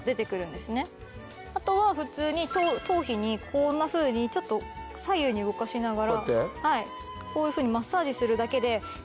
あとは普通に頭皮にこんなふうにちょっと左右に動かしながらこういうふうにマッサージするだけで。